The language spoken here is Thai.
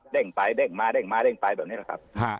ไปเด้งมาเด้งมาเด้งไปแบบนี้แหละครับ